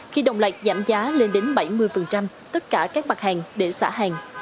khi đồng lạc giảm giá lên đến bảy mươi tất cả các mặt hàng để xả hàng